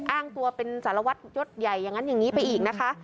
อ้างตัวเป็นสารวัตรยศใหญ่อย่างนั้นอย่างนี้ไปอีกนะคะ